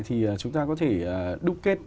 thì chúng ta có thể đúc kết